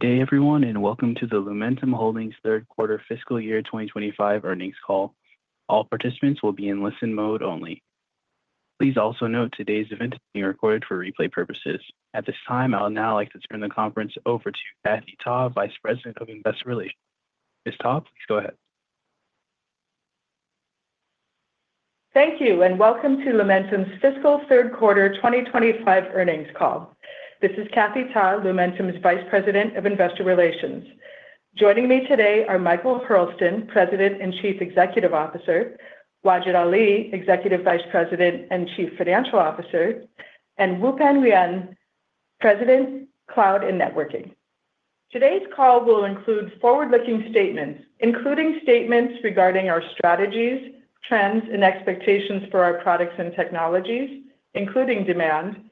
Good day, everyone, and welcome to the Lumentum Holdings' third quarter fiscal year 2025 earnings call. All participants will be in listen mode only. Please also note today's event is being recorded for replay purposes. At this time, I would now like to turn the conference over to Kathy Ta, Vice President of Investor Relations. Ms. Ta, please go ahead. Thank you, and welcome to Lumentum's fiscal third quarter 2025 earnings call. This is Kathy Ta, Lumentum's Vice President of Investor Relations. Joining me today are Michael Hurlston, President and Chief Executive Officer; Wajid Ali, Executive Vice President and Chief Financial Officer; and Wupen Yuen, President, Cloud and Networking. Today's call will include forward-looking statements, including statements regarding our strategies, trends, and expectations for our products and technologies, including demand,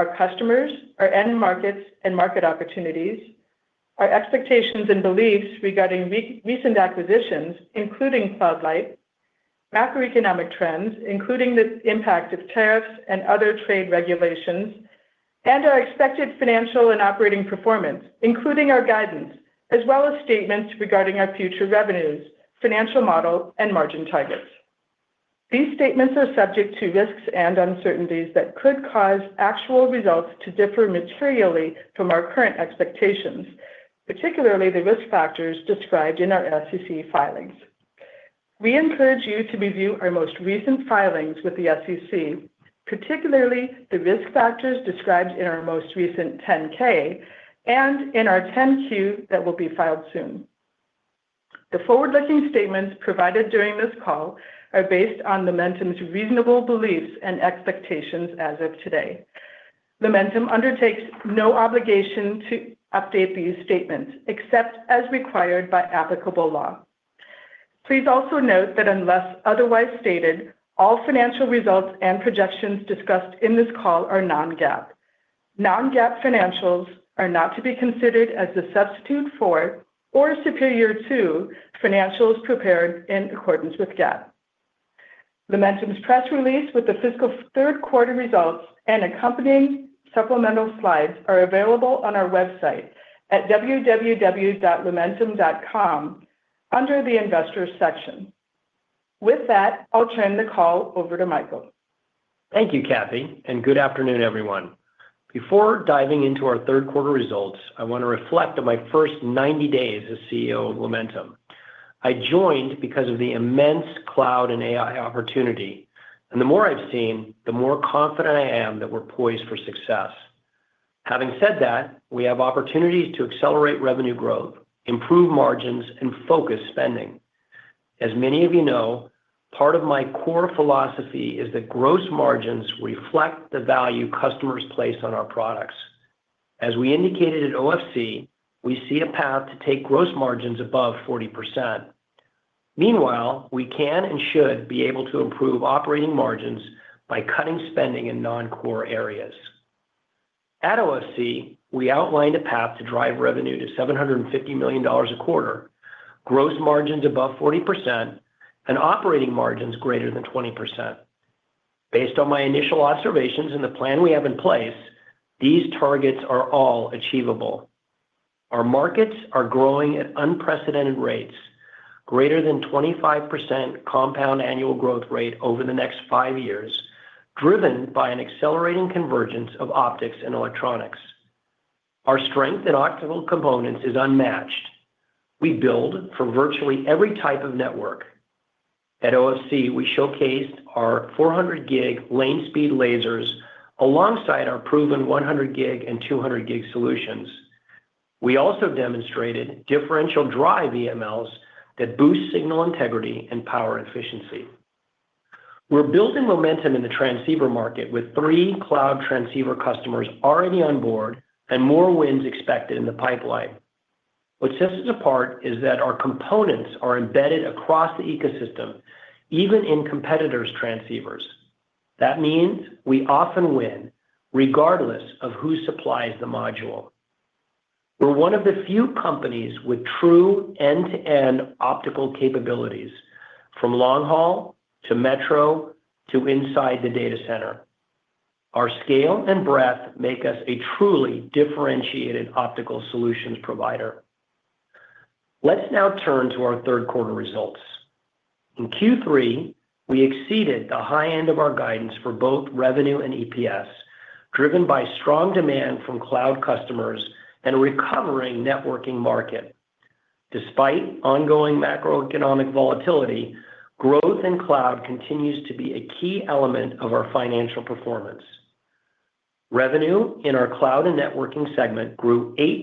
our customers, our end markets and market opportunities, our expectations and beliefs regarding recent acquisitions, including Cloud Light, macroeconomic trends, including the impact of tariffs and other trade regulations, and our expected financial and operating performance, including our guidance, as well as statements regarding our future revenues, financial model, and margin targets. These statements are subject to risks and uncertainties that could cause actual results to differ materially from our current expectations, particularly the risk factors described in our SEC filings. We encourage you to review our most recent filings with the SEC, particularly the risk factors described in our most recent 10-K and in our 10-Q that will be filed soon. The forward-looking statements provided during this call are based on Lumentum's reasonable beliefs and expectations as of today. Lumentum undertakes no obligation to update these statements except as required by applicable law. Please also note that unless otherwise stated, all financial results and projections discussed in this call are non-GAAP. Non-GAAP financials are not to be considered as a substitute for or superior to financials prepared in accordance with GAAP. Lumentum's press release with the fiscal third quarter results and accompanying supplemental slides are available on our website at www.lumentum.com under the Investors section. With that, I'll turn the call over to Michael. Thank you, Kathy, and good afternoon, everyone. Before diving into our third quarter results, I want to reflect on my first 90 days as CEO of Lumentum. I joined because of the immense cloud and AI opportunity, and the more I've seen, the more confident I am that we're poised for success. Having said that, we have opportunities to accelerate revenue growth, improve margins, and focus spending. As many of you know, part of my core philosophy is that gross margins reflect the value customers place on our products. As we indicated at OFC, we see a path to take gross margins above 40%. Meanwhile, we can and should be able to improve operating margins by cutting spending in non-core areas. At OFC, we outlined a path to drive revenue to $750 million a quarter, gross margins above 40%, and operating margins greater than 20%. Based on my initial observations and the plan we have in place, these targets are all achievable. Our markets are growing at unprecedented rates, greater than 25% compound annual growth rate over the next five years, driven by an accelerating convergence of optics and electronics. Our strength in optical components is unmatched. We build for virtually every type of network. At OFC, we showcased our 400-gig lane-speed lasers alongside our proven 100-gig and 200-gig solutions. We also demonstrated differential drive EMLs that boost signal integrity and power efficiency. We're building momentum in the transceiver market with three cloud transceiver customers already on board and more wins expected in the pipeline. What sets us apart is that our components are embedded across the ecosystem, even in competitors' transceivers. That means we often win regardless of who supplies the module. We're one of the few companies with true end-to-end optical capabilities, from long haul to metro to inside the data center. Our scale and breadth make us a truly differentiated optical solutions provider. Let's now turn to our third quarter results. In Q3, we exceeded the high end of our guidance for both revenue and EPS, driven by strong demand from cloud customers and a recovering networking market. Despite ongoing macroeconomic volatility, growth in cloud continues to be a key element of our financial performance. Revenue in our Cloud and Networking segment grew 8%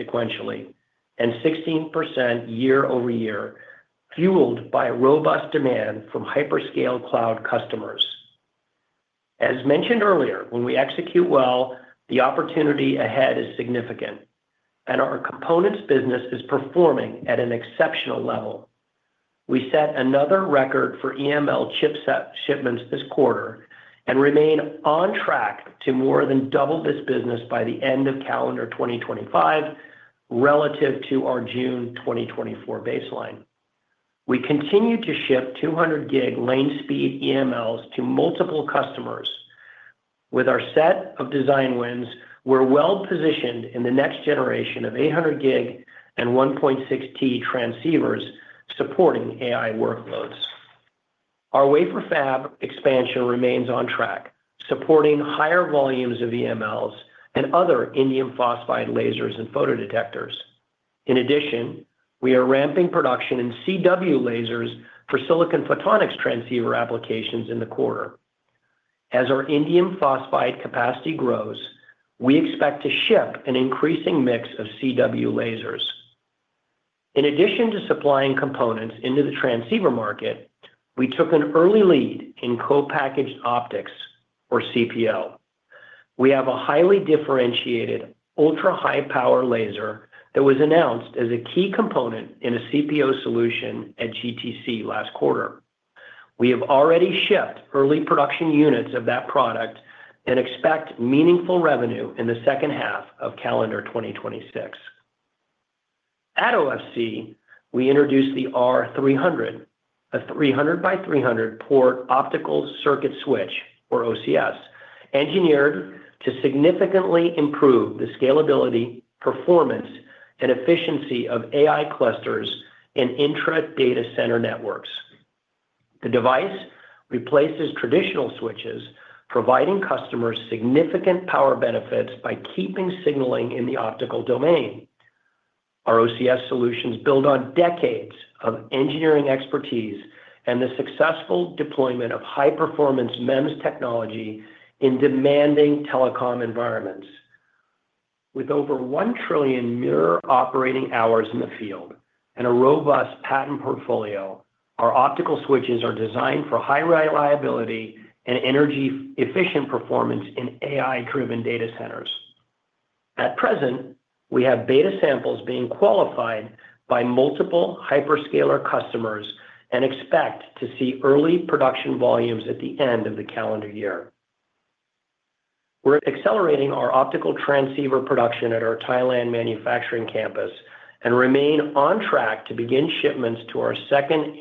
sequentially and 16% year-over-year, fueled by robust demand from hyperscale cloud customers. As mentioned earlier, when we execute well, the opportunity ahead is significant, and our components business is performing at an exceptional level. We set another record for EML chip shipments this quarter and remain on track to more than double this business by the end of calendar 2025 relative to our June 2024 baseline. We continue to ship 200-gig lane-speed EMLs to multiple customers. With our set of design wins, we're well positioned in the next generation of 800-gig and 1.6T transceivers supporting AI workloads. Our wafer fab expansion remains on track, supporting higher volumes of EMLs and other indium phosphide lasers and photodetectors. In addition, we are ramping production in CW lasers for silicon photonics transceiver applications in the quarter. As our indium phosphide capacity grows, we expect to ship an increasing mix of CW lasers. In addition to supplying components into the transceiver market, we took an early lead in co-packaged optics, or CPO. We have a highly differentiated ultra-high power laser that was announced as a key component in a CPO solution at GTC last quarter. We have already shipped early production units of that product and expect meaningful revenue in the second half of calendar 2026. At OFC, we introduced the R300, a 300x300 port optical circuit switch, or OCS, engineered to significantly improve the scalability, performance, and efficiency of AI clusters in intra-data center networks. The device replaces traditional switches, providing customers significant power benefits by keeping signaling in the optical domain. Our OCS solutions build on decades of engineering expertise and the successful deployment of high-performance MEMS technology in demanding telecom environments. With over 1 trillion mirror operating hours in the field and a robust patent portfolio, our optical switches are designed for high reliability and energy-efficient performance in AI-driven data centers. At present, we have beta samples being qualified by multiple hyperscaler customers and expect to see early production volumes at the end of the calendar year. We're accelerating our optical transceiver production at our Thailand manufacturing campus and remain on track to begin shipments to our second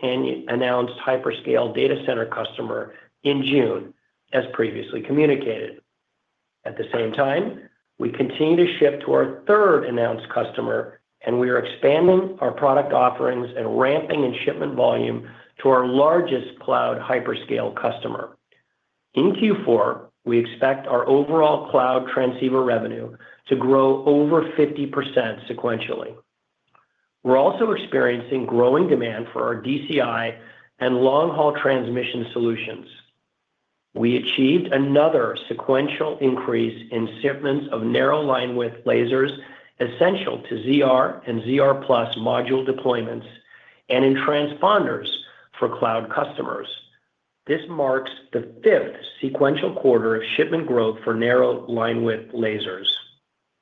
announced hyperscale data center customer in June, as previously communicated. At the same time, we continue to ship to our third announced customer, and we are expanding our product offerings and ramping in shipment volume to our largest cloud hyperscale customer. In Q4, we expect our overall cloud transceiver revenue to grow over 50% sequentially. We're also experiencing growing demand for our DCI and long haul transmission solutions. We achieved another sequential increase in shipments of narrow linewidth lasers essential to ZR and ZR+ module deployments and in transponders for cloud customers. This marks the fifth sequential quarter of shipment growth for narrow linewidth lasers.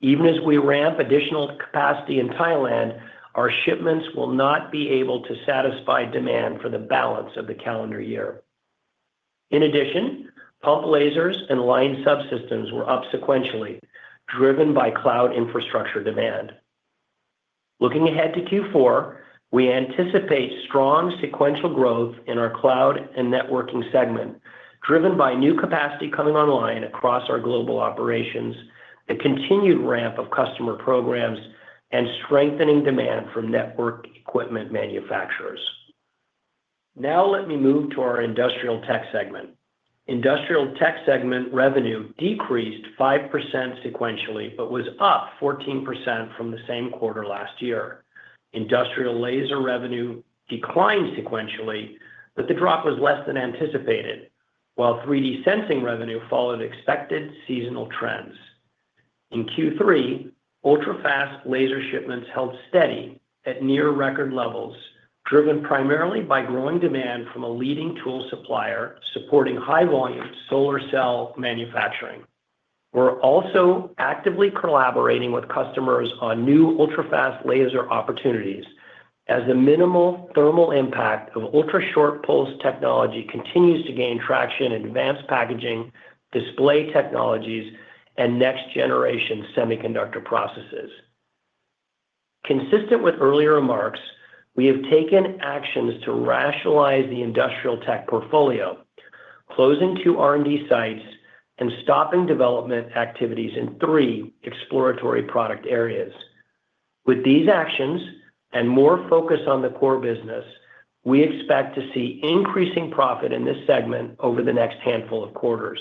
Even as we ramp additional capacity in Thailand, our shipments will not be able to satisfy demand for the balance of the calendar year. In addition, pump lasers and line subsystems were up sequentially, driven by cloud infrastructure demand. Looking ahead to Q4, we anticipate strong sequential growth in our Cloud and Networking segment, driven by new capacity coming online across our global operations, the continued ramp of customer programs, and strengthening demand from network equipment manufacturers. Now let me move to our Industrial Tech segment. Industrial Tech segment revenue decreased 5% sequentially but was up 14% from the same quarter last year. Industrial laser revenue declined sequentially, but the drop was less than anticipated, while 3D sensing revenue followed expected seasonal trends. In Q3, ultra-fast laser shipments held steady at near record levels, driven primarily by growing demand from a leading tool supplier supporting high-volume solar cell manufacturing. We're also actively collaborating with customers on new ultra-fast laser opportunities as the minimal thermal impact of ultra-short pulse technology continues to gain traction in advanced packaging, display technologies, and next-generation semiconductor processes. Consistent with earlier remarks, we have taken actions to rationalize the Industrial Tech portfolio, closing two R&D sites and stopping development activities in three exploratory product areas. With these actions and more focus on the core business, we expect to see increasing profit in this segment over the next handful of quarters.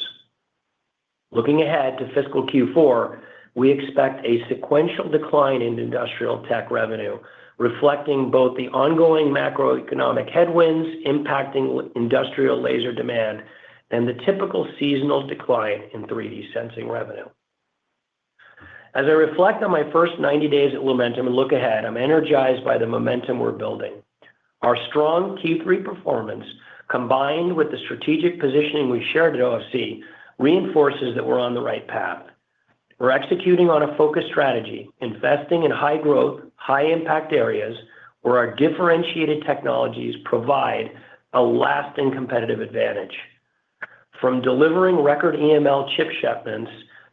Looking ahead to fiscal Q4, we expect a sequential decline in Industrial Tech revenue, reflecting both the ongoing macroeconomic headwinds impacting industrial laser demand and the typical seasonal decline in 3D sensing revenue. As I reflect on my first 90 days at Lumentum and look ahead, I'm energized by the momentum we're building. Our strong Q3 performance, combined with the strategic positioning we shared at OFC, reinforces that we're on the right path. We're executing on a focused strategy, investing in high-growth, high-impact areas where our differentiated technologies provide a lasting competitive advantage. From delivering record EML chip shipments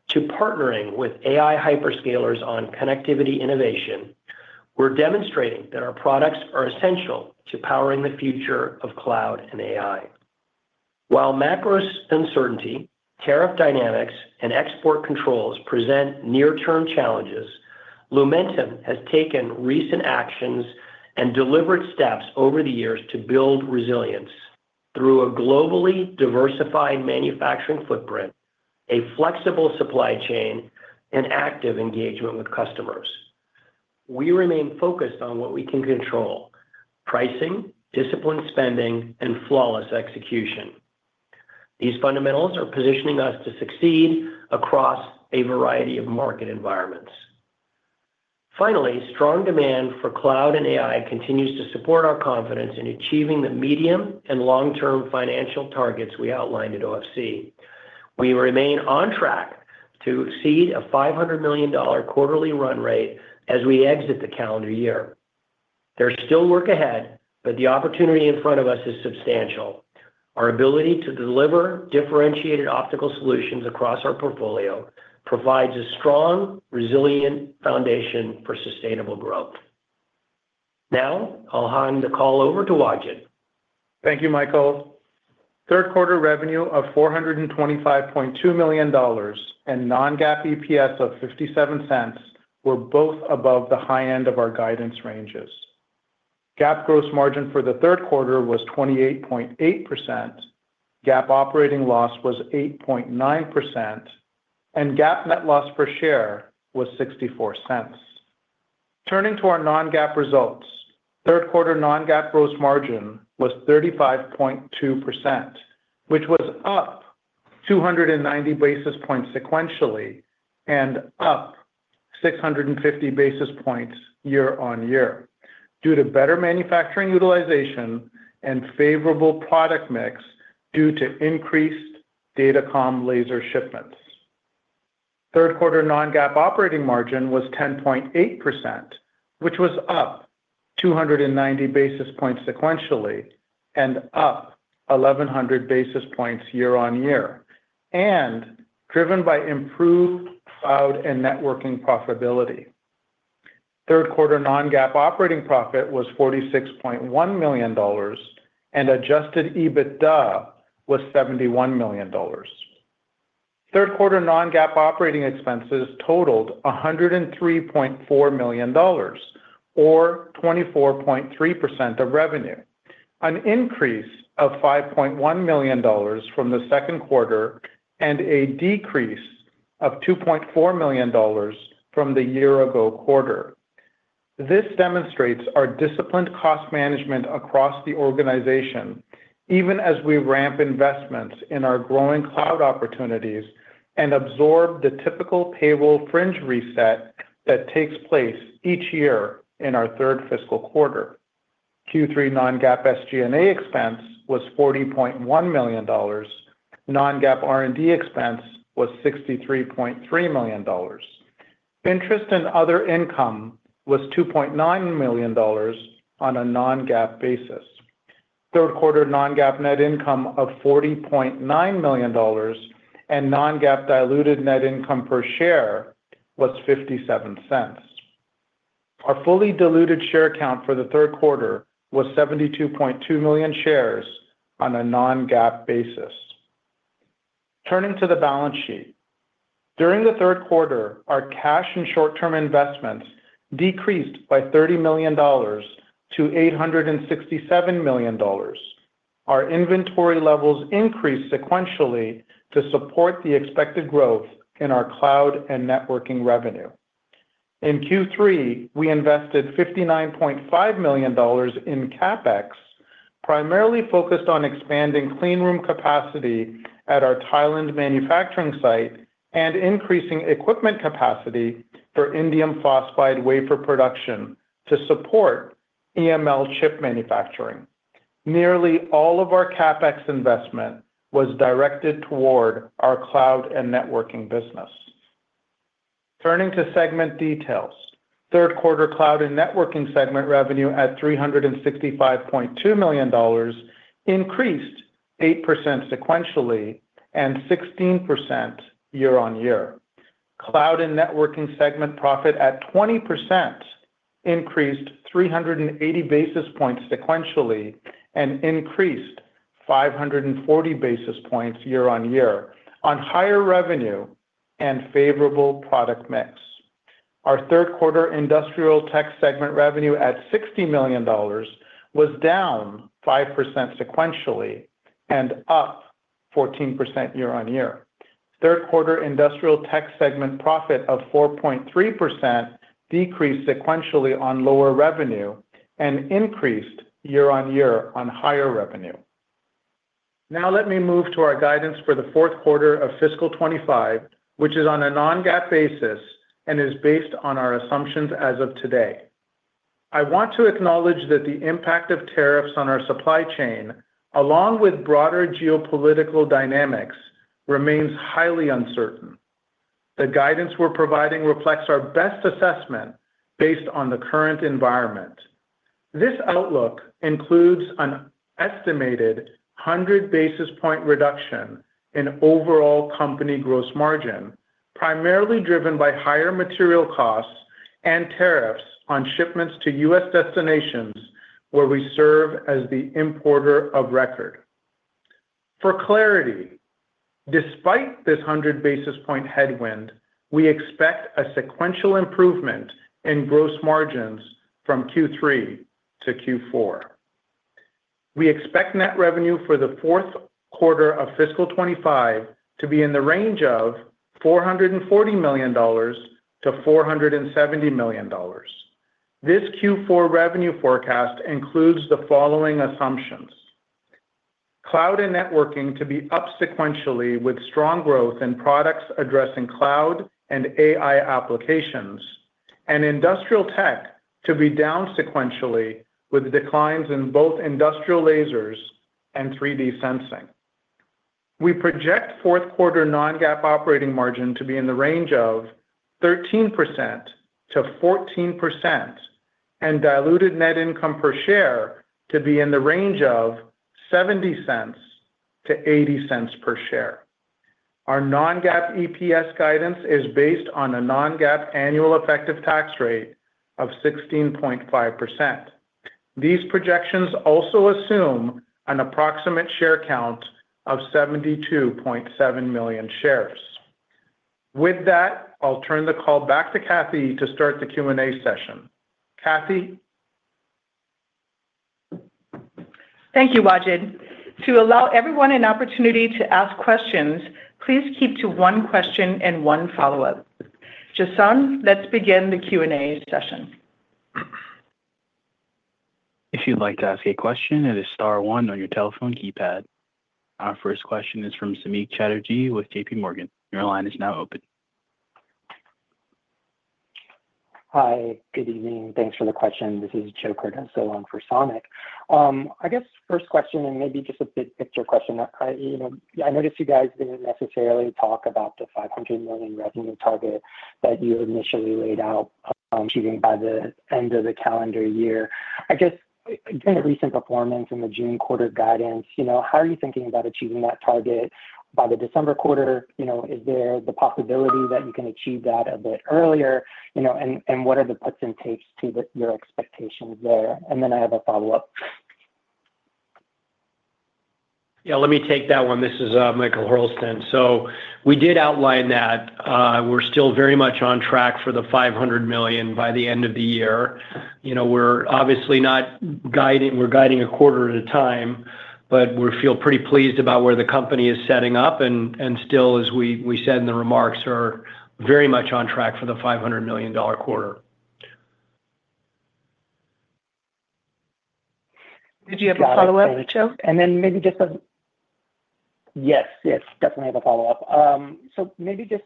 to partnering with AI hyperscalers on connectivity innovation, we're demonstrating that our products are essential to powering the future of cloud and AI. While macro uncertainty, tariff dynamics, and export controls present near-term challenges, Lumentum has taken recent actions and deliberate steps over the years to build resilience through a globally diversified manufacturing footprint, a flexible supply chain, and active engagement with customers. We remain focused on what we can control: pricing, disciplined spending, and flawless execution. These fundamentals are positioning us to succeed across a variety of market environments. Finally, strong demand for cloud and AI continues to support our confidence in achieving the medium and long-term financial targets we outlined at OFC. We remain on track to exceed a $500 million quarterly run rate as we exit the calendar year. There is still work ahead, but the opportunity in front of us is substantial. Our ability to deliver differentiated optical solutions across our portfolio provides a strong, resilient foundation for sustainable growth. Now I'll hand the call over to Wajid. Thank you, Michael. Third quarter revenue of $425.2 million and non-GAAP EPS of $0.57 were both above the high end of our guidance ranges. GAAP gross margin for the third quarter was 28.8%, GAAP operating loss was 8.9%, and GAAP net loss per share was $0.64. Turning to our non-GAAP results, third quarter non-GAAP gross margin was 35.2%, which was up 290 basis points sequentially and up 650 basis points year on year due to better manufacturing utilization and favorable product mix due to increased data com laser shipments. Third quarter non-GAAP operating margin was 10.8%, which was up 290 basis points sequentially and up 1,100 basis points year on year, and driven by improved Cloud and Networking profitability. Third quarter non-GAAP operating profit was $46.1 million and adjusted EBITDA was $71 million. Third quarter non-GAAP operating expenses totaled $103.4 million, or 24.3% of revenue, an increase of $5.1 million from the second quarter and a decrease of $2.4 million from the year-ago quarter. This demonstrates our disciplined cost management across the organization, even as we ramp investments in our growing cloud opportunities and absorb the typical payroll fringe reset that takes place each year in our third fiscal quarter. Q3 non-GAAP SG&A expense was $40.1 million. Non-GAAP R&D expense was $63.3 million. Interest and other income was $2.9 million on a non-GAAP basis. Third quarter non-GAAP net income of $40.9 million and non-GAAP diluted net income per share was $0.57. Our fully diluted share count for the third quarter was 72.2 million shares on a non-GAAP basis. Turning to the balance sheet, during the third quarter, our cash and short-term investments decreased by $30 million to $867 million. Our inventory levels increased sequentially to support the expected growth in our Cloud and Networking revenue. In Q3, we invested $59.5 million in CapEx, primarily focused on expanding clean room capacity at our Thailand manufacturing site and increasing equipment capacity for indium phosphide wafer production to support EML chip manufacturing. Nearly all of our CapEx investment was directed toward our Cloud and Networking business. Turning to segment details, third quarter Cloud and Networking segment revenue at $365.2 million increased 8% sequentially and 16% year on year. Cloud and Networking segment profit at 20% increased 380 basis points sequentially and increased 540 basis points year on year on higher revenue and favorable product mix. Our third quarter Industrial Tech segment revenue at $60 million was down 5% sequentially and up 14% year on year. Third quarter Industrial Tech segment profit of 4.3% decreased sequentially on lower revenue and increased year on year on higher revenue. Now let me move to our guidance for the fourth quarter of fiscal 2025, which is on a non-GAAP basis and is based on our assumptions as of today. I want to acknowledge that the impact of tariffs on our supply chain, along with broader geopolitical dynamics, remains highly uncertain. The guidance we are providing reflects our best assessment based on the current environment. This outlook includes an estimated 100 basis point reduction in overall company gross margin, primarily driven by higher material costs and tariffs on shipments to U.S. destinations where we serve as the importer of record. For clarity, despite this 100 basis point headwind, we expect a sequential improvement in gross margins from Q3 to Q4. We expect net revenue for the fourth quarter of fiscal 2025 to be in the range of $440 million-$470 million. This Q4 revenue forecast includes the following assumptions: Cloud and Networking to be up sequentially with strong growth in products addressing cloud and AI applications, and Industrial Tech to be down sequentially with declines in both industrial lasers and 3D sensing. We project fourth quarter non-GAAP operating margin to be in the range of 13%-14%, and diluted net income per share to be in the range of $0.70-$0.80 per share. Our non-GAAP EPS guidance is based on a non-GAAP annual effective tax rate of 16.5%. These projections also assume an approximate share count of 72.7 million shares. With that, I'll turn the call back to Kathy to start the Q&A session. Kathy. Thank you, Wajid. To allow everyone an opportunity to ask questions, please keep to one question and one follow-up. Jason, let's begin the Q&A session. If you'd like to ask a question, it is star one on your telephone keypad. Our first question is from Samik Chatterjee with JPMorgan. Your line is now open Hi, good evening. Thanks for the question. This is Joe Cardoso on for Samik. I guess first question, and maybe just a big picture question. I noticed you guys didn't necessarily talk about the $500 million revenue target that you initially laid out achieving by the end of the calendar year. I guess given the recent performance in the June quarter guidance, how are you thinking about achieving that target by the December quarter? Is there the possibility that you can achieve that a bit earlier? What are the puts and takes to your expectations there? I have a follow-up. Yeah, let me take that one. This is Michael Hurlston. We did outline that we're still very much on track for the $500 million by the end of the year. We're obviously not guiding a quarter at a time, but we feel pretty pleased about where the company is setting up. Still, as we said in the remarks, we're very much on track for the $500 million quarter. Did you have a follow-up, Joe? Yes, definitely have a follow-up. Maybe just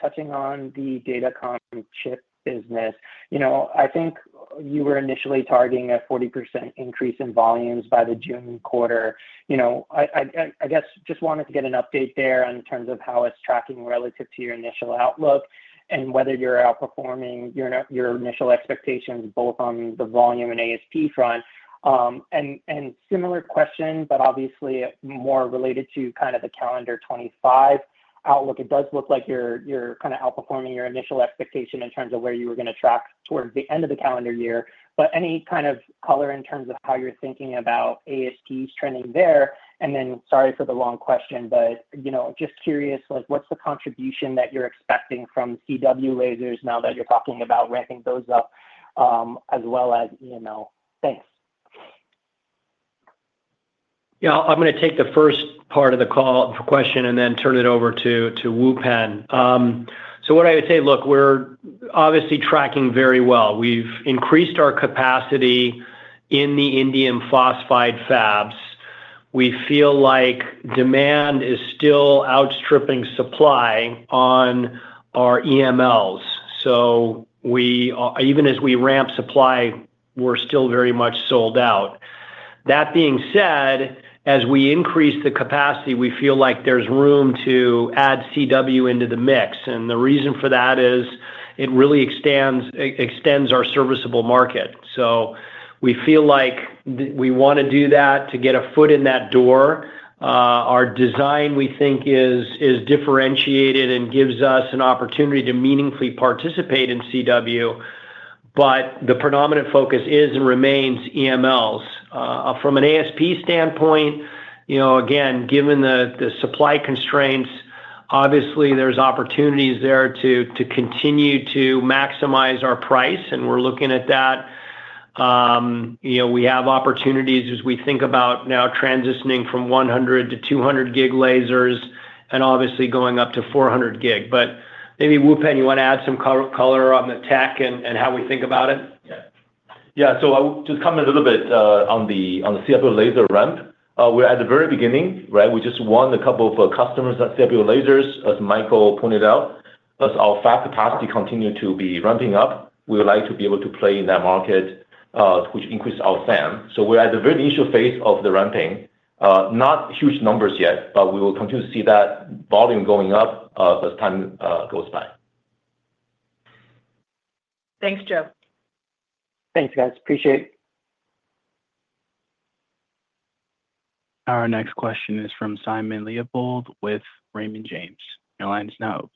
touching on the data com chip business. I think you were initially targeting a 40% increase in volumes by the June quarter. I guess just wanted to get an update there in terms of how it's tracking relative to your initial outlook and whether you're outperforming your initial expectations both on the volume and ASP front. Similar question, but obviously more related to kind of the calendar 2025 outlook. It does look like you're kind of outperforming your initial expectation in terms of where you were going to track towards the end of the calendar year. Any kind of color in terms of how you're thinking about ASPs trending there? Sorry for the long question, but just curious, what's the contribution that you're expecting from CW lasers now that you're talking about ramping those up as well as EML? Thanks. Yeah, I'm going to take the first part of the question and then turn it over to Wupen. What I would say, look, we're obviously tracking very well. We've increased our capacity in the indium phosphide fabs. We feel like demand is still outstripping supply on our EMLs. Even as we ramp supply, we're still very much sold out. That being said, as we increase the capacity, we feel like there's room to add CW into the mix. The reason for that is it really extends our serviceable market. We feel like we want to do that to get a foot in that door. Our design, we think, is differentiated and gives us an opportunity to meaningfully participate in CW. The predominant focus is and remains EMLs. From an ASP standpoint, again, given the supply constraints, obviously there's opportunities there to continue to maximize our price. We're looking at that. We have opportunities as we think about now transitioning from 100 to 200 gig lasers and obviously going up to 400 gig. Maybe Wupen, you want to add some color on the tech and how we think about it? Yeah, so I'll just comment a little bit on the CW laser ramp. We're at the very beginning, right? We just won a couple of customers at CW lasers, as Michael pointed out. As our fab capacity continues to be ramping up, we would like to be able to play in that market, which increased our fan. So we're at the very initial phase of the ramping. Not huge numbers yet, but we will continue to see that volume going up as time goes by. Thanks, Joe. Thanks, guys. Appreciate it. Our next question is from Simon Leopold with Raymond James. Your line is now open.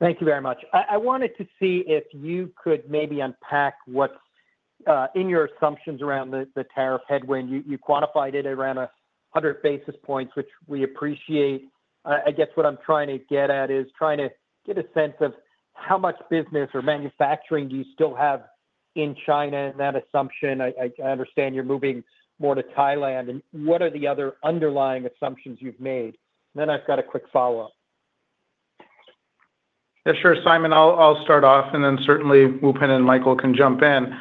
Thank you very much. I wanted to see if you could maybe unpack what's in your assumptions around the tariff headwind. You quantified it around 100 basis points, which we appreciate. I guess what I'm trying to get at is trying to get a sense of how much business or manufacturing do you still have in China? That assumption, I understand you're moving more to Thailand. What are the other underlying assumptions you've made? I've got a quick follow-up. Yeah, sure. Simon, I'll start off, and then certainly Wupen and Michael can jump in.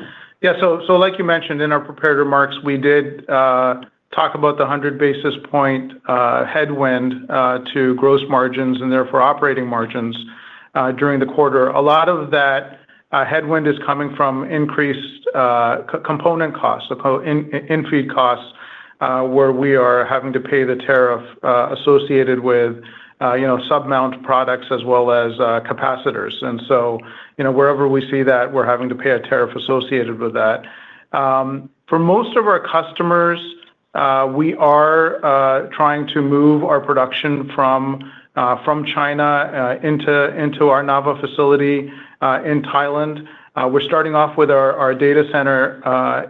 Yeah, like you mentioned in our prepared remarks, we did talk about the 100 basis point headwind to gross margins and therefore operating margins during the quarter. A lot of that headwind is coming from increased component costs, in-feed costs, where we are having to pay the tariff associated with submount products as well as capacitors. Wherever we see that, we're having to pay a tariff associated with that. For most of our customers, we are trying to move our production from China into our Nava facility in Thailand. We're starting off with our data center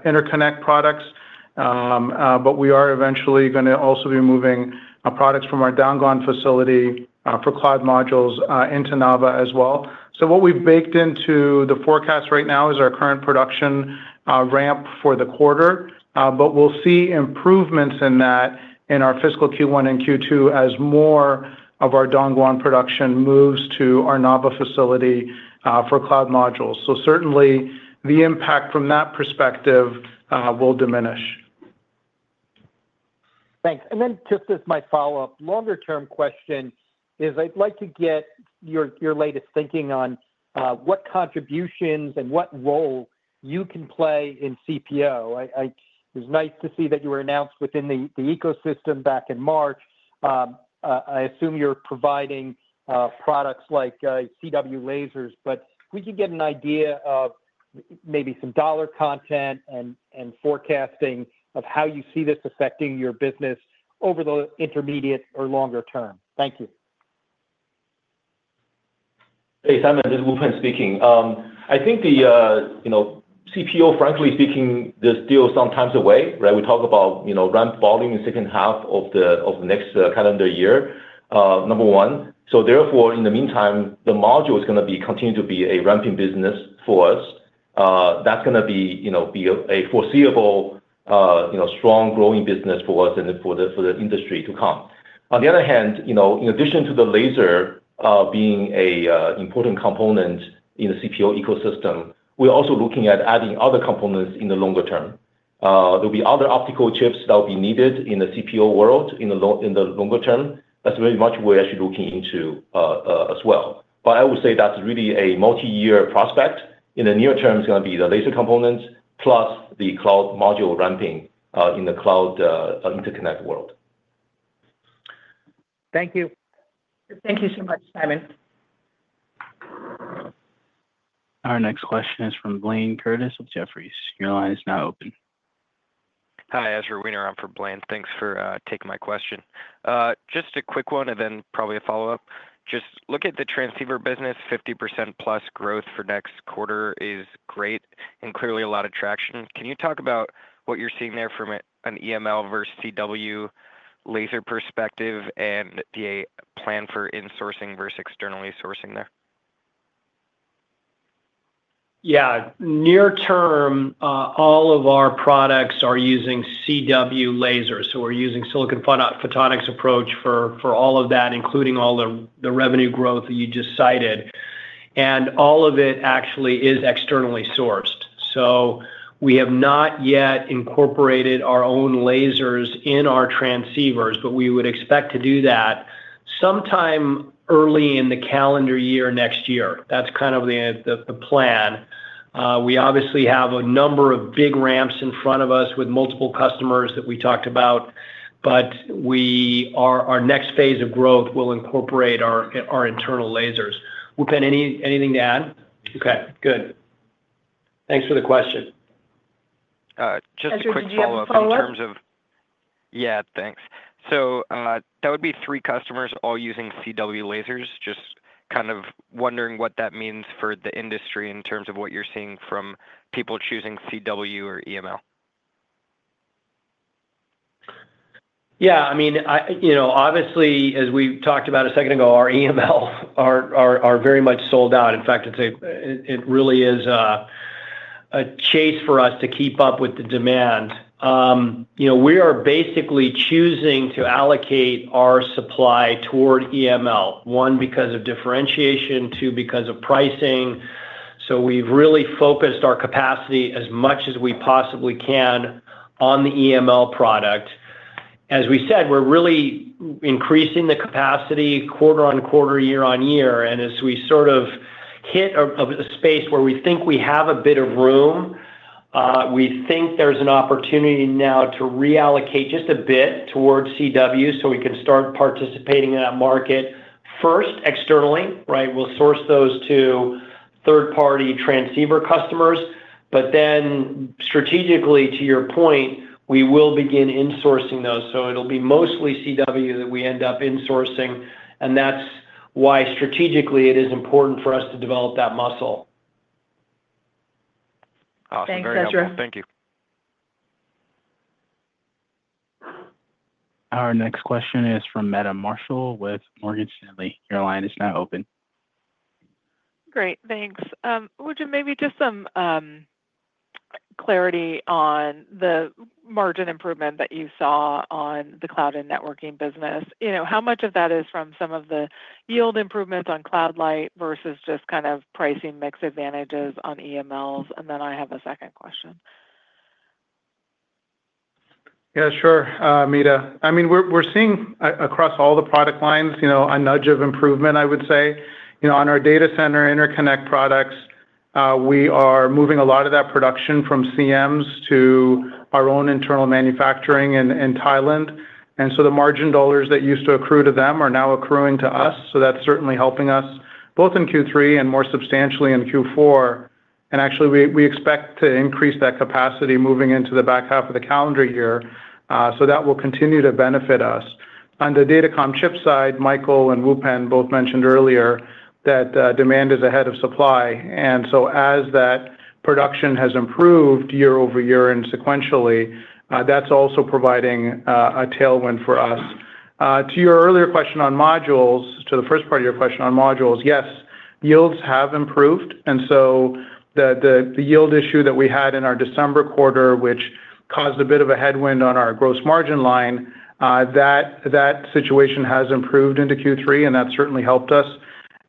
interconnect products, but we are eventually going to also be moving products from our Dongguan facility for cloud modules into Nava as well. What we've baked into the forecast right now is our current production ramp for the quarter, but we'll see improvements in that in our fiscal Q1 and Q2 as more of our Dongguan production moves to our Nava facility for cloud modules. Certainly, the impact from that perspective will diminish. Thanks. Just as my follow-up, longer-term question is I'd like to get your latest thinking on what contributions and what role you can play in CPO. It was nice to see that you were announced within the ecosystem back in March. I assume you're providing products like CW lasers, but if we could get an idea of maybe some dollar content and forecasting of how you see this affecting your business over the intermediate or longer term. Thank you. Hey, Simon, this is Wupen speaking. I think the CPO, frankly speaking, there's still some time away, right? We talk about ramp volume in the second half of the next calendar year, number one. Therefore, in the meantime, the module is going to continue to be a ramping business for us. That's going to be a foreseeable, strong growing business for us and for the industry to come. On the other hand, in addition to the laser being an important component in the CPO ecosystem, we're also looking at adding other components in the longer term. There will be other optical chips that will be needed in the CPO world in the longer term. That's very much what we're actually looking into as well. I would say that's really a multi-year prospect. In the near term, it's going to be the laser components plus the cloud module ramping in the cloud interconnect world. Thank you. Thank you so much, Simon. Our next question is from Blayne Curtis of Jefferies. Your line is now open. Hi, Ezra Weener. I'm from Blayne. Thanks for taking my question. Just a quick one and then probably a follow-up. Just look at the transceiver business. 50%+ growth for next quarter is great and clearly a lot of traction. Can you talk about what you're seeing there from an EML versus CW laser perspective and the plan for insourcing versus externally sourcing there? Yeah, near term, all of our products are using CW lasers. So we're using silicon photonics approach for all of that, including all the revenue growth that you just cited. And all of it actually is externally sourced. So we have not yet incorporated our own lasers in our transceivers, but we would expect to do that sometime early in the calendar year next year. That's kind of the plan. We obviously have a number of big ramps in front of us with multiple customers that we talked about, but our next phase of growth will incorporate our internal lasers. Wupen, anything to add? Okay, good. Thanks for the question. Just a quick follow-up in terms of. Yeah, thanks. So that would be three customers all using CW lasers. Just kind of wondering what that means for the industry in terms of what you're seeing from people choosing CW or EML. Yeah, I mean, obviously, as we talked about a second ago, our EMLs are very much sold out. In fact, it really is a chase for us to keep up with the demand. We are basically choosing to allocate our supply toward EML, one because of differentiation, two because of pricing. So we've really focused our capacity as much as we possibly can on the EML product. As we said, we're really increasing the capacity quarter on quarter, year on year. As we sort of hit a space where we think we have a bit of room, we think there's an opportunity now to reallocate just a bit towards CW so we can start participating in that market. First, externally, right? We'll source those to third-party transceiver customers. But then strategically, to your point, we will begin insourcing those. So it'll be mostly CW that we end up insourcing. And that's why strategically it is important for us to develop that muscle. Thanks, Ezra. Thank you. Our next question is from Meta Marshall with Morgan Stanley. Your line is now open. Great. Thanks. Would you maybe just some clarity on the margin improvement that you saw on the Cloud and Networking business? How much of that is from some of the yield improvements on Cloud Light versus just kind of pricing mix advantages on EMLs? And then I have a second question. Yeah, sure, Meta. I mean, we're seeing across all the product lines a nudge of improvement, I would say. On our data center interconnect products, we are moving a lot of that production from CMs to our own internal manufacturing in Thailand. The margin dollars that used to accrue to them are now accruing to us. That is certainly helping us both in Q3 and more substantially in Q4. Actually, we expect to increase that capacity moving into the back half of the calendar year. That will continue to benefit us. On the data com chip side, Michael and Wupen both mentioned earlier that demand is ahead of supply. As that production has improved year-over-year and sequentially, that is also providing a tailwind for us. To your earlier question on modules, to the first part of your question on modules, yes, yields have improved. The yield issue that we had in our December quarter, which caused a bit of a headwind on our gross margin line, that situation has improved into Q3, and that's certainly helped us.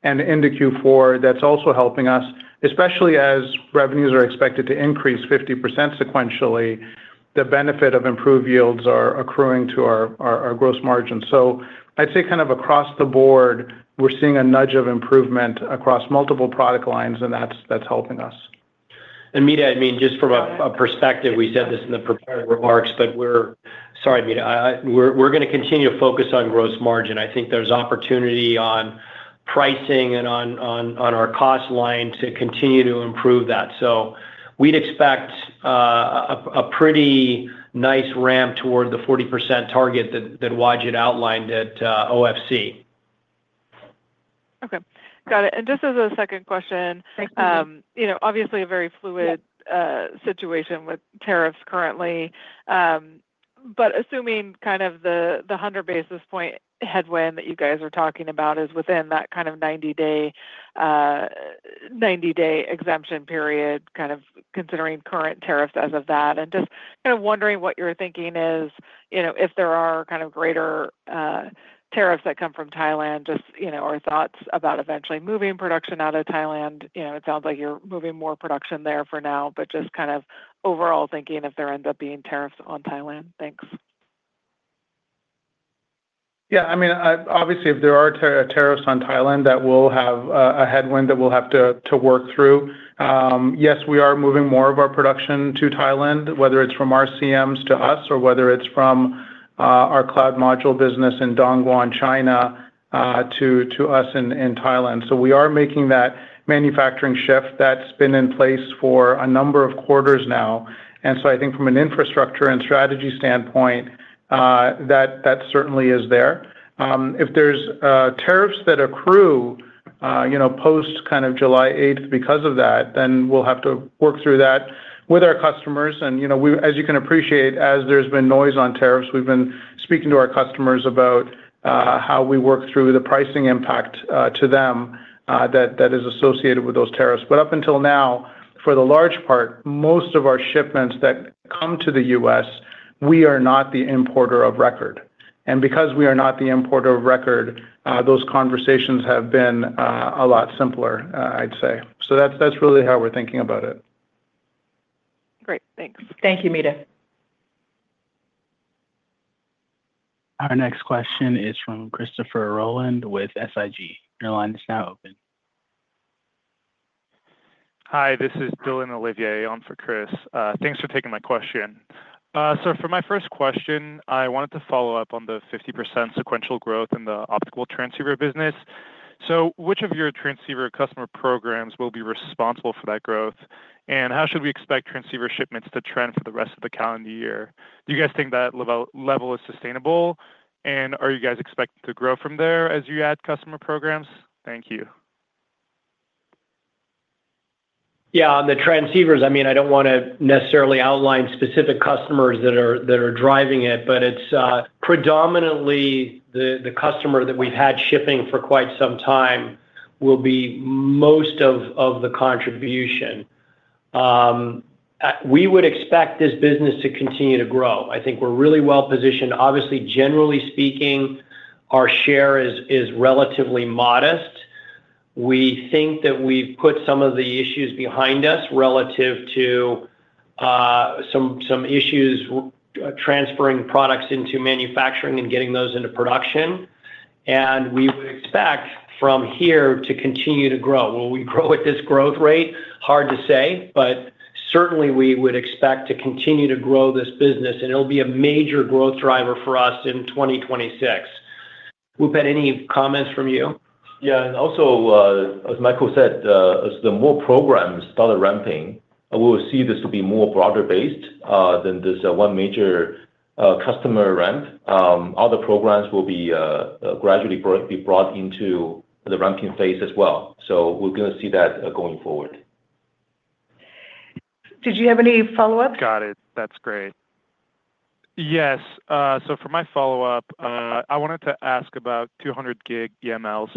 Into Q4, that's also helping us, especially as revenues are expected to increase 50% sequentially, the benefit of improved yields are accruing to our gross margin. I'd say kind of across the board, we're seeing a nudge of improvement across multiple product lines, and that's helping us. And Meta, I mean, just from a perspective, we said this in the prepared remarks, but we're sorry, Meta. We're going to continue to focus on gross margin. I think there's opportunity on pricing and on our cost line to continue to improve that. We'd expect a pretty nice ramp toward the 40% target that Wajid outlined at OFC. Okay. Got it. Just as a second question. Obviously, a very fluid situation with tariffs currently. Assuming the 100 basis point headwind that you guys are talking about is within that 90-day exemption period, considering current tariffs as of that. Just wondering what your thinking is if there are greater tariffs that come from Thailand, just, you know, our thoughts about eventually moving production out of Thailand. It sounds like you're moving more production there for now, but just overall thinking if there ends up being tariffs on Thailand. Thanks. Yeah, I mean, obviously, if there are tariffs on Thailand, that will have a headwind that we'll have to work through. Yes, we are moving more of our production to Thailand, whether it is from our CMs to us or whether it is from our cloud module business in Dongguan, China, to us in Thailand. We are making that manufacturing shift that has been in place for a number of quarters now. I think from an infrastructure and strategy standpoint, that certainly is there. If there are tariffs that accrue post kind of July 8 because of that, we will have to work through that with our customers. As you can appreciate, as there has been noise on tariffs, we have been speaking to our customers about how we work through the pricing impact to them that is associated with those tariffs. Up until now, for the large part, most of our shipments that come to the U.S., we are not the importer of record. Because we are not the importer of record, those conversations have been a lot simpler, I'd say. That is really how we're thinking about it. Great. Thanks. Thank you, Meta. Our next question is from Christopher Rolland with SIG. Your line is now open. Hi, this is Dylan Ollivier, on for Chris. Thanks for taking my question. For my first question, I wanted to follow up on the 50% sequential growth in the optical transceiver business. Which of your transceiver customer programs will be responsible for that growth? How should we expect transceiver shipments to trend for the rest of the calendar year? Do you guys think that level is sustainable? Are you guys expecting to grow from there as you add customer programs? Thank you. Yeah, on the transceivers, I mean, I do not want to necessarily outline specific customers that are driving it, but it is predominantly the customer that we have had shipping for quite some time will be most of the contribution. We would expect this business to continue to grow. I think we are really well positioned. Obviously, generally speaking, our share is relatively modest. We think that we have put some of the issues behind us relative to some issues transferring products into manufacturing and getting those into production. We would expect from here to continue to grow. Will we grow at this growth rate? Hard to say, but certainly we would expect to continue to grow this business, and it will be a major growth driver for us in 2026. Wupen, any comments from you? Yeah, and also, as Michael said, as the more programs started ramping, we will see this to be more broader-based than this one major customer ramp. Other programs will be gradually brought into the ramping phase as well. We are going to see that going forward. Did you have any follow-up? Got it. That's great. Yes. For my follow-up, I wanted to ask about 200 gig EMLs.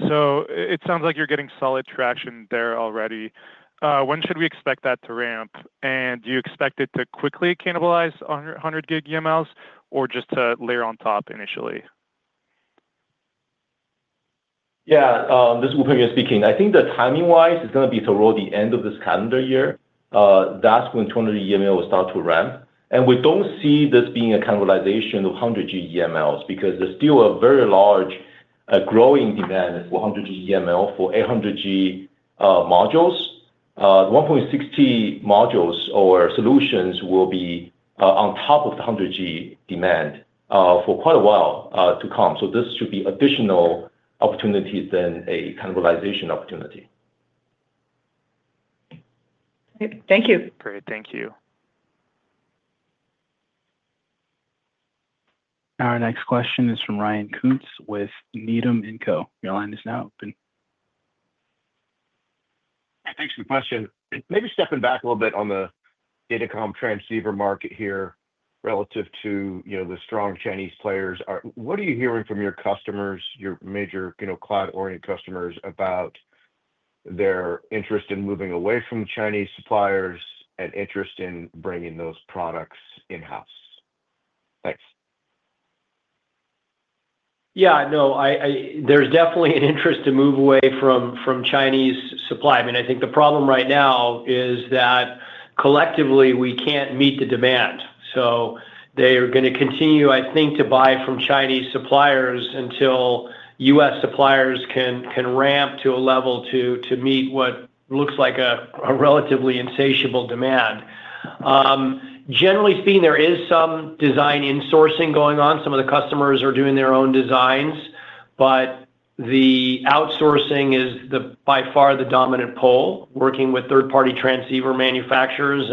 It sounds like you are getting solid traction there already. When should we expect that to ramp? Do you expect it to quickly cannibalize 100 gig EMLs or just to layer on top initially? Yeah, this is Wupen speaking. I think that timing-wise, it is going to be toward the end of this calendar year. That is when 200 gig EML will start to ramp. We do not see this being a cannibalization of 100 gig EMLs because there is still a very large growing demand for 100 gig EML for 800 gig modules. 1.6T modules or solutions will be on top of the 100 gig demand for quite a while to come. This should be additional opportunities rather than a cannibalization opportunity. Thank you. Great. Thank you. Our next question is from Ryan Koontz with Needham & Co. Your line is now open. Thanks for the question. Maybe stepping back a little bit on the datacom transceiver market here relative to the strong Chinese players, what are you hearing from your customers, your major cloud-oriented customers, about their interest in moving away from Chinese suppliers and interest in bringing those products in-house? Thanks. Yeah, no, there is definitely an interest to move away from Chinese supply. I mean, I think the problem right now is that collectively, we can't meet the demand. They are going to continue, I think, to buy from Chinese suppliers until U.S. suppliers can ramp to a level to meet what looks like a relatively insatiable demand. Generally speaking, there is some design insourcing going on. Some of the customers are doing their own designs, but the outsourcing is by far the dominant pole, working with third-party transceiver manufacturers.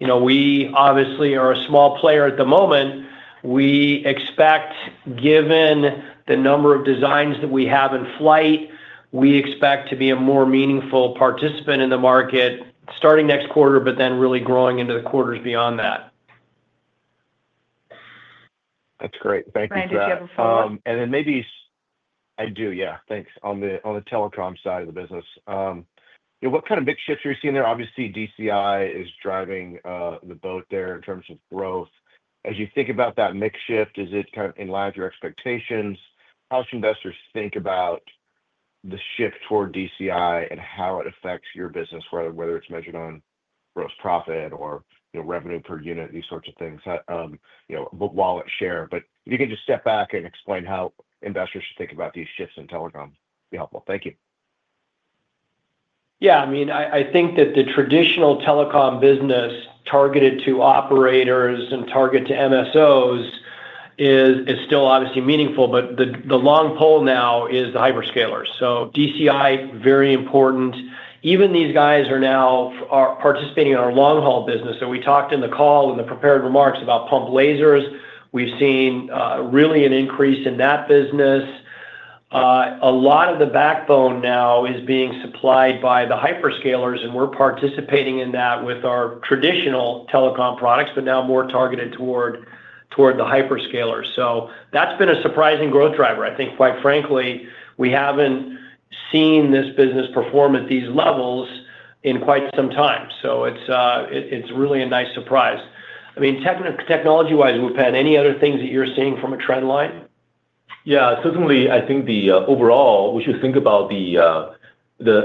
We obviously are a small player at the moment. We expect, given the number of designs that we have in flight, to be a more meaningful participant in the market starting next quarter, but then really growing into the quarters beyond that. That's great. Thank you for that. Maybe I do, yeah. Thanks. On the telecom side of the business, what kind of mix shifts are you seeing there? Obviously, DCI is driving the boat there in terms of growth. As you think about that mix shift, is it kind of in line with your expectations? How should investors think about the shift toward DCI and how it affects your business, whether it's measured on gross profit or revenue per unit, these sorts of things, wallet share? If you can just step back and explain how investors should think about these shifts in telecom, it'd be helpful. Thank you. Yeah, I mean, I think that the traditional telecom business targeted to operators and targeted to MSOs is still obviously meaningful, but the long pole now is the hyperscalers. DCI, very important. Even these guys are now participating in our long-haul business. So we talked in the call in the prepared remarks about pump lasers. We've seen really an increase in that business. A lot of the backbone now is being supplied by the hyperscalers, and we're participating in that with our traditional telecom products, but now more targeted toward the hyperscalers. That's been a surprising growth driver. I think, quite frankly, we haven't seen this business perform at these levels in quite some time. It's really a nice surprise. I mean, technology-wise, Wupen, any other things that you're seeing from a trend line? Yeah, certainly, I think overall, we should think about the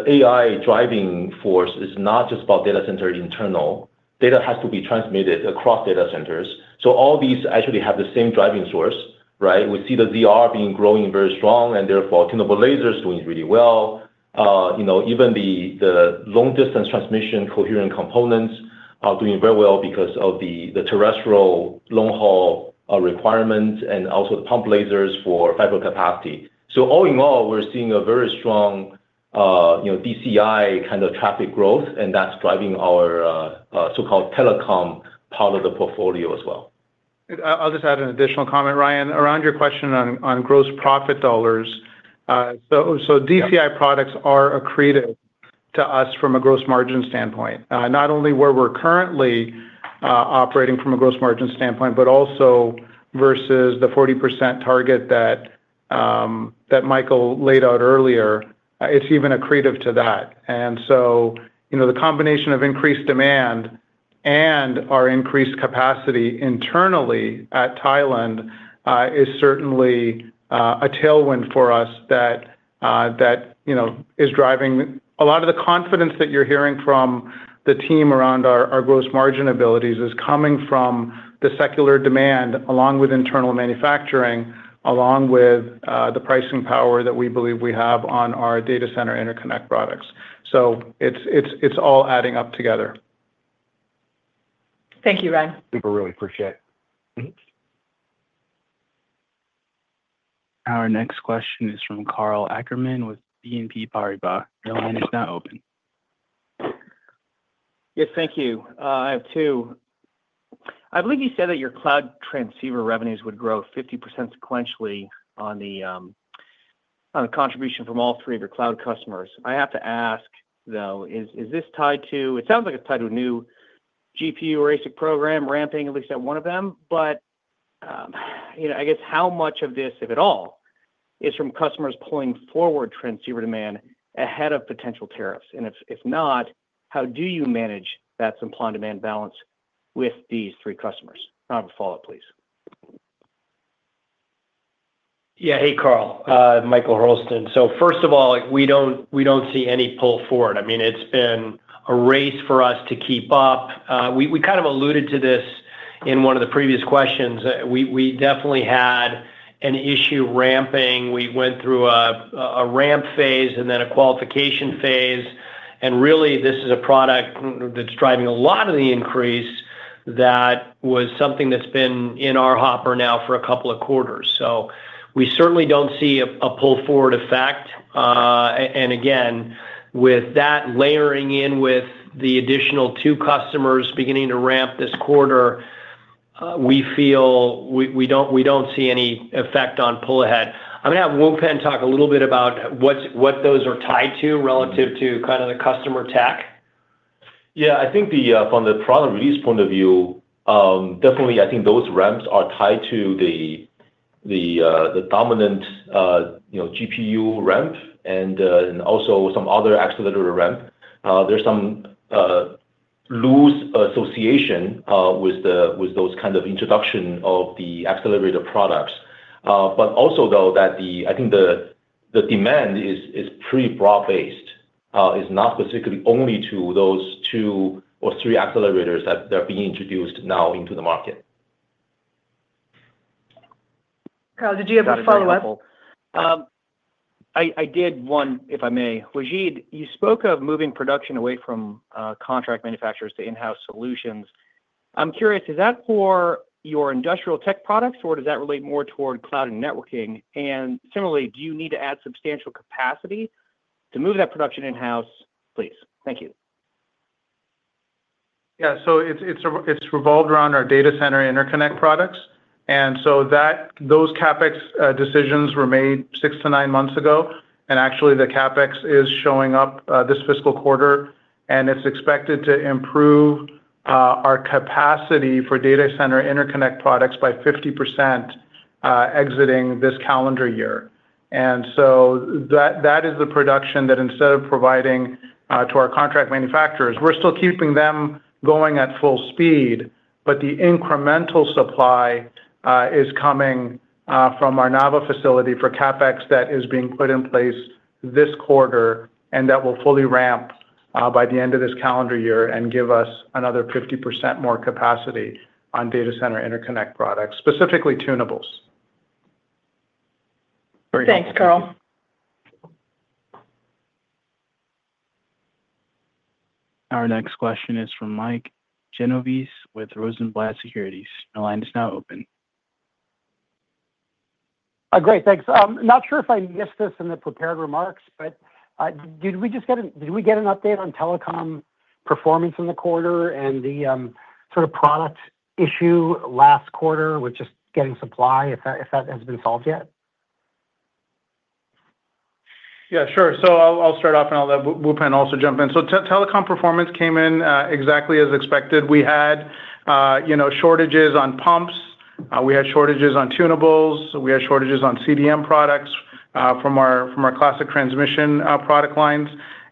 AI driving force is not just about data center internal. Data has to be transmitted across data centers. All these actually have the same driving source, right? We see the ZR being growing very strong, and therefore, narrow linewidth lasers are doing really well. Even the long-distance transmission coherent components are doing very well because of the terrestrial long-haul requirements and also the pump lasers for fiber capacity. All in all, we're seeing a very strong DCI kind of traffic growth, and that's driving our so-called telecom part of the portfolio as well. I'll just add an additional comment, Ryan, around your question on gross profit dollars. DCI products are accretive to us from a gross margin standpoint, not only where we're currently operating from a gross margin standpoint, but also versus the 40% target that Michael laid out earlier. It's even accretive to that. The combination of increased demand and our increased capacity internally at Thailand is certainly a tailwind for us that is driving a lot of the confidence that you're hearing from the team around our gross margin abilities is coming from the secular demand along with internal manufacturing, along with the pricing power that we believe we have on our data center interconnect products. It is all adding up together. Thank you, Ryan. Super, really appreciate it. Our next question is from Karl Ackerman with BNP Paribas. Your line is now open. Yes, thank you. I have two. I believe you said that your cloud transceiver revenues would grow 50% sequentially on the contribution from all three of your cloud customers. I have to ask, though, is this tied to it sounds like it is tied to a new GPU or ASIC program ramping, at least at one of them. I guess how much of this, if at all, is from customers pulling forward transceiver demand ahead of potential tariffs? If not, how do you manage that supply and demand balance with these three customers? I have a follow-up, please. Yeah, hey, Karl. Michael Hurlston. First of all, we do not see any pull forward. I mean, it has been a race for us to keep up. We kind of alluded to this in one of the previous questions. We definitely had an issue ramping. We went through a ramp phase and then a qualification phase. Really, this is a product that is driving a lot of the increase that was something that has been in our hopper now for a couple of quarters. We certainly do not see a pull forward effect. Again, with that layering in with the additional two customers beginning to ramp this quarter, we feel we do not see any effect on pull ahead. I am going to have Wupen talk a little bit about what those are tied to relative to kind of the customer tech. Yeah, I think from the product release point of view, definitely, I think those ramps are tied to the dominant GPU ramp and also some other accelerator ramp. There is some loose association with those kind of introduction of the accelerator products. Also, though, I think the demand is pretty broad-based. It is not specifically only to those two or three accelerators that are being introduced now into the market. Karl, did you have a follow-up? I did one, if I may. Wajid, you spoke of moving production away from contract manufacturers to in-house solutions. I'm curious, is that for your Industrial tech products, or does that relate more toward Cloud and Networking? And similarly, do you need to add substantial capacity to move that production in-house? Please. Thank you. Yeah, so it's revolved around our data center interconnect products. Those CapEx decisions were made six to nine months ago. Actually, the CapEx is showing up this fiscal quarter, and it's expected to improve our capacity for data center interconnect products by 50% exiting this calendar year. That is the production that instead of providing to our contract manufacturers, we're still keeping them going at full speed, but the incremental supply is coming from our Nava facility for CapEx that is being put in place this quarter and that will fully ramp by the end of this calendar year and give us another 50% more capacity on data center interconnect products, specifically tunables. Thanks, Karl. Our next question is from Mike Genovese with Rosenblatt Securities. Your line is now open. Great. Thanks. Not sure if I missed this in the prepared remarks, but did we just get an update on telecom performance in the quarter and the sort of product issue last quarter with just getting supply, if that has been solved yet? Yeah, sure. I'll start off, and I'll let Wupen also jump in. Telecom performance came in exactly as expected. We had shortages on pumps. We had shortages on tunables. We had shortages on CDM products from our classic transmission product lines.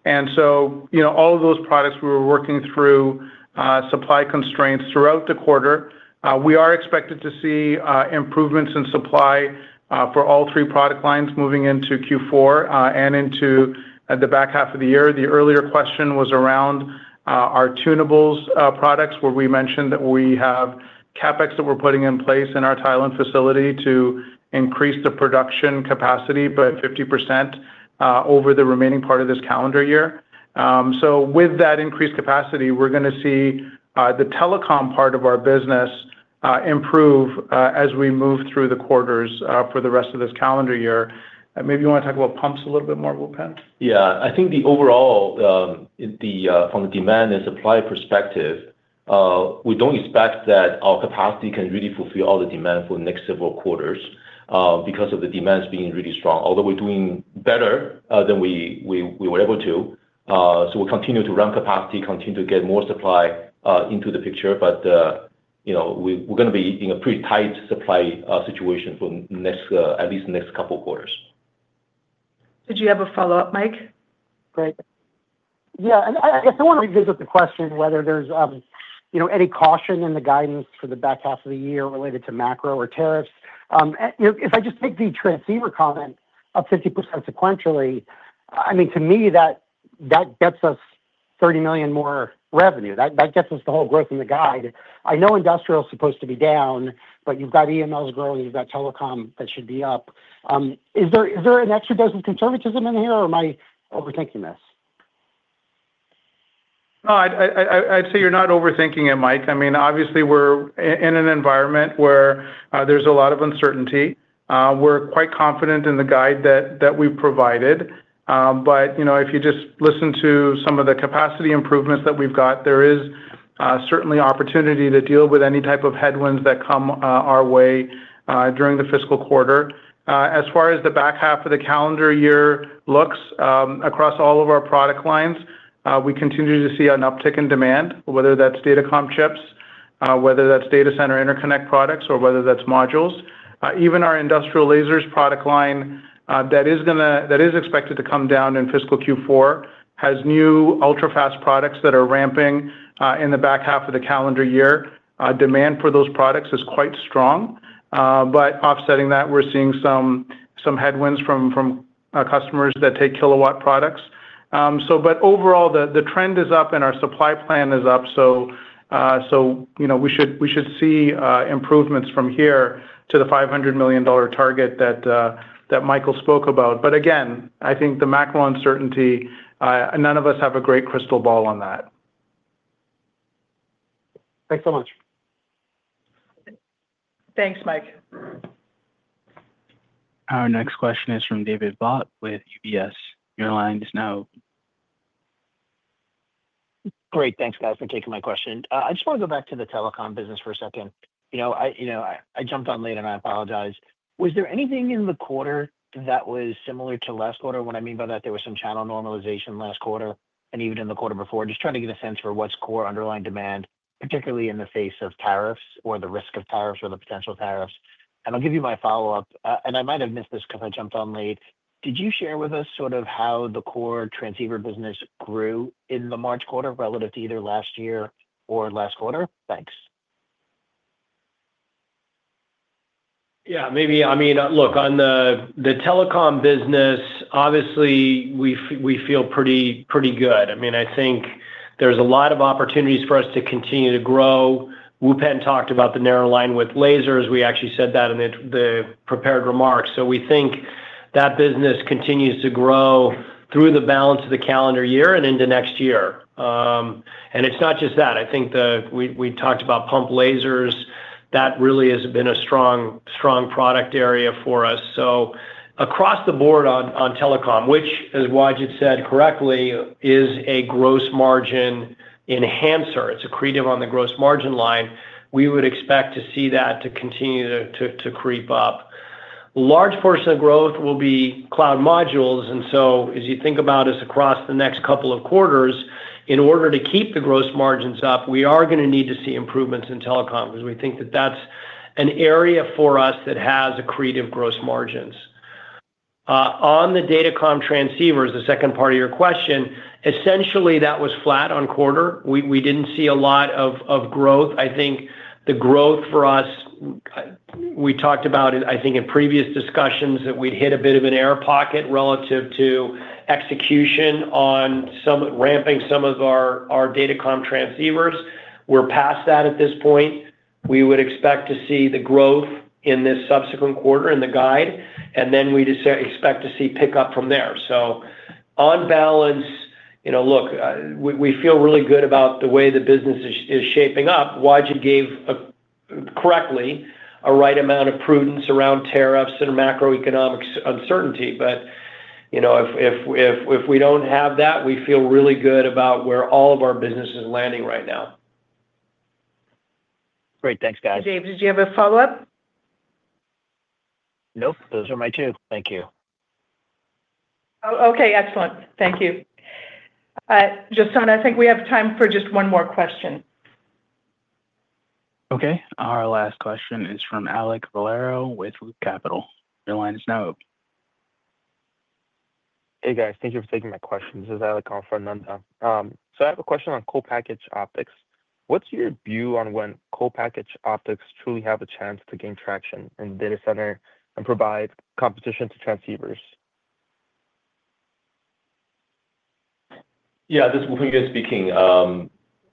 All of those products, we were working through supply constraints throughout the quarter. We are expected to see improvements in supply for all three product lines moving into Q4 and into the back half of the year. The earlier question was around our tunables products, where we mentioned that we have CapEx that we are putting in place in our Thailand facility to increase the production capacity by 50% over the remaining part of this calendar year. With that increased capacity, we are going to see the telecom part of our business improve as we move through the quarters for the rest of this calendar year. Maybe you want to talk about pumps a little bit more, Wupen? Yeah. I think the overall, from the demand and supply perspective, we do not expect that our capacity can really fulfill all the demand for the next several quarters because of the demand being really strong, although we are doing better than we were able to. We will continue to ramp capacity, continue to get more supply into the picture, but we are going to be in a pretty tight supply situation for at least the next couple of quarters. Did you have a follow-up, Mike? Great. Yeah. I guess I want to revisit the question whether there is any caution in the guidance for the back half of the year related to macro or tariffs. If I just take the transceiver comment of 50% sequentially, I mean, to me, that gets us $30 million more revenue. That gets us the whole growth in the guide. I know industrial is supposed to be down, but you've got EMLs growing, you've got telecom that should be up. Is there an extra dose of conservatism in here, or am I overthinking this? No, I'd say you're not overthinking it, Mike. I mean, obviously, we're in an environment where there's a lot of uncertainty. We're quite confident in the guide that we provided. If you just listen to some of the capacity improvements that we've got, there is certainly opportunity to deal with any type of headwinds that come our way during the fiscal quarter. As far as the back half of the calendar year looks across all of our product lines, we continue to see an uptick in demand, whether that's data comm chips, whether that's data center interconnect products, or whether that's modules. Even our industrial lasers product line that is expected to come down in fiscal Q4 has new ultra-fast products that are ramping in the back half of the calendar year. Demand for those products is quite strong. Offsetting that, we're seeing some headwinds from customers that take kilowatt products. Overall, the trend is up and our supply plan is up. We should see improvements from here to the $500 million target that Michael spoke about. Again, I think the macro uncertainty, none of us have a great crystal ball on that. Thanks so much. Thanks, Mike. Our next question is from David Vogt with UBS. Your line is now open. Great. Thanks, guys, for taking my question. I just want to go back to the telecom business for a second. I jumped on late, and I apologize. Was there anything in the quarter that was similar to last quarter? What I mean by that, there was some channel normalization last quarter and even in the quarter before. Just trying to get a sense for what's core underlying demand, particularly in the face of tariffs or the risk of tariffs or the potential tariffs. I'll give you my follow-up. I might have missed this because I jumped on late. Did you share with us sort of how the core transceiver business grew in the March quarter relative to either last year or last quarter? Thanks. Yeah. I mean, look, on the telecom business, obviously, we feel pretty good. I think there's a lot of opportunities for us to continue to grow. Wupen talked about the narrow linewidth lasers. We actually said that in the prepared remarks. We think that business continues to grow through the balance of the calendar year and into next year. It is not just that. I think we talked about pump lasers. That really has been a strong product area for us. Across the board on telecom, which, as Wajid said correctly, is a gross margin enhancer. It is accretive on the gross margin line. We would expect to see that continue to creep up. A large portion of growth will be cloud modules. As you think about us across the next couple of quarters, in order to keep the gross margins up, we are going to need to see improvements in telecom because we think that is an area for us that has accretive gross margins. On the data comm transceivers, the second part of your question, essentially, that was flat on quarter. We did not see a lot of growth. I think the growth for us, we talked about, I think, in previous discussions that we had hit a bit of an air pocket relative to execution on ramping some of our data comm transceivers. We are past that at this point. We would expect to see the growth in this subsequent quarter in the guide, and then we expect to see pickup from there. On balance, look, we feel really good about the way the business is shaping up. Wajid gave correctly a right amount of prudence around tariffs and macroeconomic uncertainty. If we do not have that, we feel really good about where all of our business is landing right now. Great. Thanks, guys. Did you have a follow-up? Nope. Those are my two. Thank you. Okay. Excellent. Thank you. Jason, I think we have time for just one more question. Okay. Our last question is from Alek Valero with Loop Capital. Your line is now open. Hey, guys. Thank you for taking my question. This is Alek on for Ananda. I have a question on co-packaged optics. What's your view on when co-packaged optics truly have a chance to gain traction in the data center and provide competition to transceivers? Yeah, this is Wupen here speaking.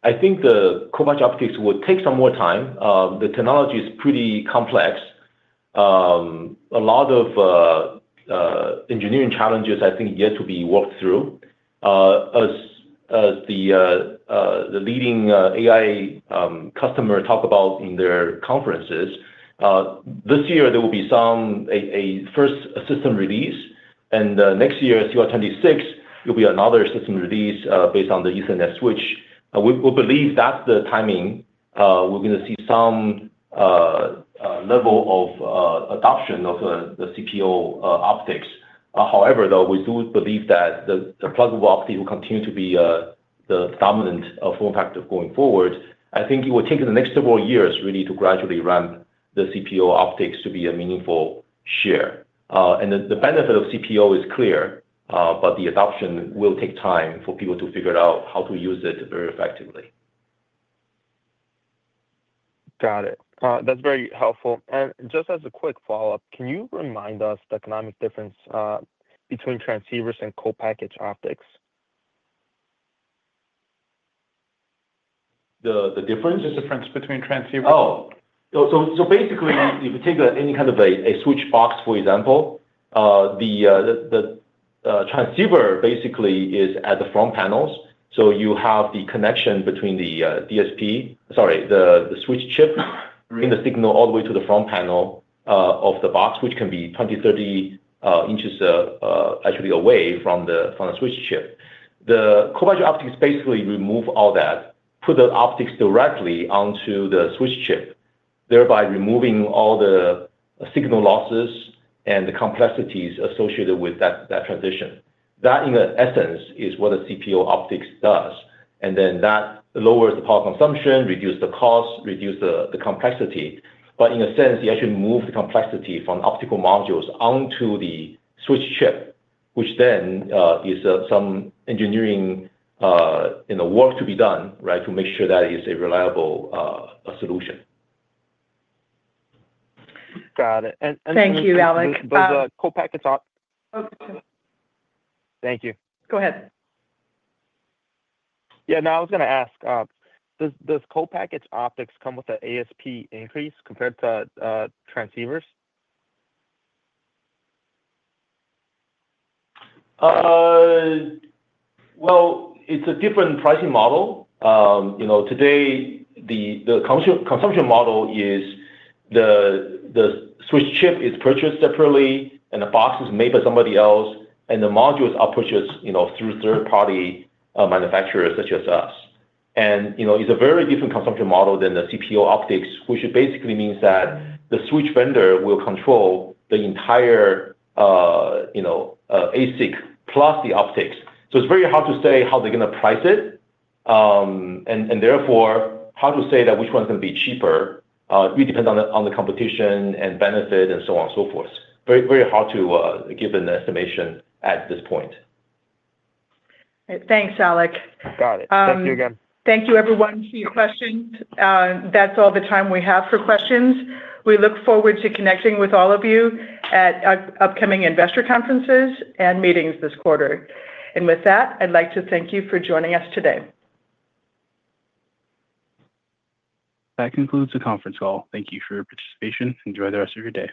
I think the co-packaged optics will take some more time. The technology is pretty complex. A lot of engineering challenges, I think, yet to be worked through. As the leading AI customer talked about in their conferences, this year, there will be a first system release. Next year, 2026, there will be another system release based on the Ethernet switch. We believe that's the timing. We're going to see some level of adoption of the CPO optics. However, though, we do believe that the pluggable optics will continue to be the dominant form factor going forward. I think it will take the next several years really to gradually ramp the CPO optics to be a meaningful share. The benefit of CPO is clear, but the adoption will take time for people to figure out how to use it very effectively. Got it. That's very helpful. Just as a quick follow-up, can you remind us the economic difference between transceivers and co-packaged optics? The difference? The difference between transceivers? Oh. Basically, if you take any kind of a switch box, for example, the transceiver basically is at the front panels. You have the connection between the DSP, sorry, the switch chip, bring the signal all the way to the front panel of the box, which can be 20-30 inches actually away from the switch chip. The co-packaged optics basically remove all that, put the optics directly onto the switch chip, thereby removing all the signal losses and the complexities associated with that transition. That, in essence, is what the CPO optics does. That lowers the power consumption, reduces the cost, reduces the complexity. In a sense, you actually move the complexity from optical modules onto the switch chip, which then is some engineering work to be done, right, to make sure that it is a reliable solution. Got it. Thank you, Alex. Thank you. Thank you. Go ahead. Yeah. No, I was going to ask, does co-packaged optics come with an ASP increase compared to transceivers? It is a different pricing model. Today, the consumption model is the switch chip is purchased separately, and the box is made by somebody else, and the modules are purchased through third-party manufacturers such as us. It is a very different consumption model than the CPO optics, which basically means that the switch vendor will control the entire ASIC plus the optics. It is very hard to say how they are going to price it. Therefore, how to say that which one is going to be cheaper really depends on the competition and benefit and so on and so forth. Very hard to give an estimation at this point. Thanks, Alex. Got it. Thank you again. Thank you, everyone, for your questions. That is all the time we have for questions. We look forward to connecting with all of you at upcoming investor conferences and meetings this quarter. I would like to thank you for joining us today. That concludes the conference call. Thank you for your participation. Enjoy the rest of your day.